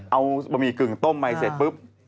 เอาบะหมี่กึ่งต้มใหม่เสร็จปุ๊บ